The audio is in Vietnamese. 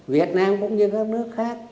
việt nam cũng như các nước khác